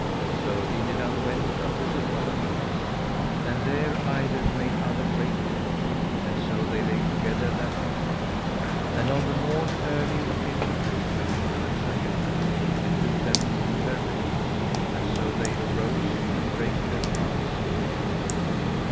So Dinadan went unto Sir Palomides, and there either made other great joy, and so they lay together that night. And on the morn early came Sir Tristram and Sir Gareth, and took them in their beds, and so they arose and brake their fast.